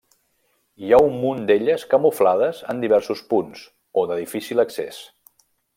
Hi ha un munt d'elles camuflades en diversos punts, o de difícil accés.